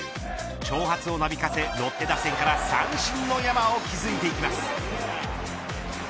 長髪をなびかせロッテ打線から三振の山を築いていきます。